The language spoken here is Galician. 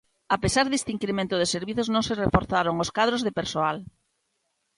A pesar deste incremento de servizos non se reforzaron os cadros de persoal.